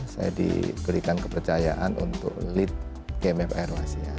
saya diberikan kepercayaan untuk lead gmf aero asia